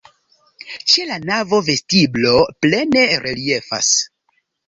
Ĉe la navo vestiblo plene reliefas.